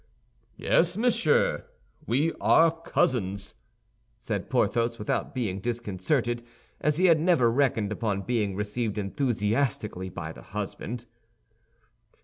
"Yes, monsieur, we are cousins," said Porthos, without being disconcerted, as he had never reckoned upon being received enthusiastically by the husband.